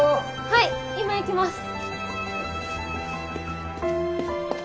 はい今行きます！